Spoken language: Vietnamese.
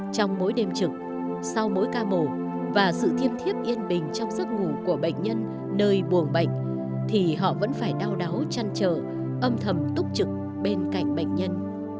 trong mỗi đêm trực sau mỗi ca mổ và sự thiêm thiếp yên bình trong giấc ngủ của bệnh nhân nơi buồng bệnh thì họ vẫn phải đau đáu chăn trở âm thầm túc trực bên cạnh bệnh nhân